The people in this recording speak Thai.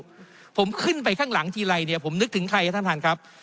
แต่ถ้าผมขึ้นไปข้างหลังทีไรผมนึกถึงใครนะท่านผู้ชมครับ